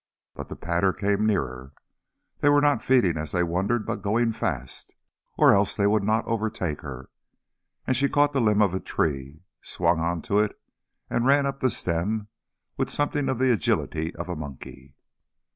But the patter came nearer, they were not feeding as they wandered, but going fast or else they would not overtake her and she caught the limb of a tree, swung on to it, and ran up the stem with something of the agility of a monkey.